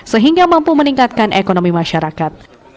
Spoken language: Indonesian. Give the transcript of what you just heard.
sehingga mampu meningkatkan ekonomi masyarakat